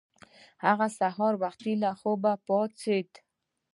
هغه سهار وختي له خوبه پاڅیده.